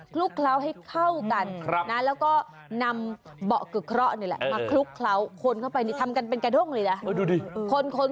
ลุกเคล้าให้เข้ากันนะแล้วก็นำเบาะกึกเคราะห์นี่แหละมาคลุกเคล้าคนเข้าไปนี่ทำกันเป็นกระด้งเลยนะ